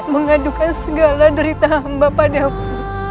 mengadukan segala derita amba padamu